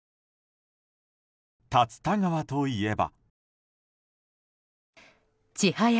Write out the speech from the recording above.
竜田川といえば。